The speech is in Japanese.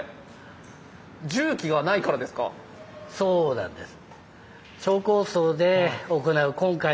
そうなんです。